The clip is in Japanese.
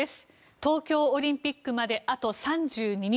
東京オリンピックまであと３２日。